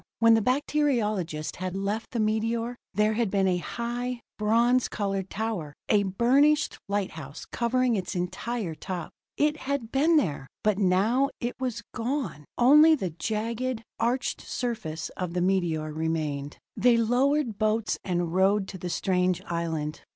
When the bacteriologist had left the meteor, there had been a high, bronze colored tower, a burnished lighthouse, covering its entire top. It had been there but now it was gone! Only the jagged, arched surface of the meteor remained. They lowered boats and rowed to the strange island.